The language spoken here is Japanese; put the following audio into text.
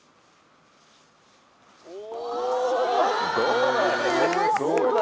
・お！